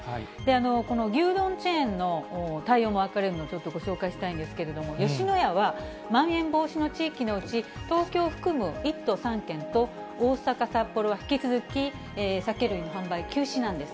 この牛丼チェーンの対応も分かれるので、ちょっとご紹介したいんですけれども、吉野家は、まん延防止の地域のうち、東京を含む１都３県と、大阪、札幌は引き続き酒類の販売、休止なんです。